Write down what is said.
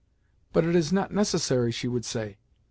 "But it is not necessary," she would say.